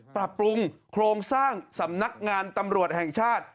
ปรับปรุงโครงสร้างสำนักงานตำรวจแห่งชาติ